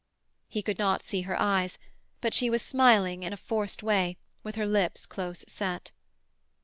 He could not see her eyes, but she was smiling in a forced way, with her lips close set.